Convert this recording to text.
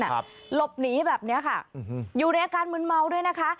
หลบหนีแบบเนี้ยค่ะอยู่ในอาการมืนเมาด้วยนะคะ